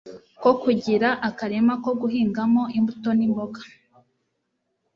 ko kugira akarima ko guhingamo imbuto n’imboga,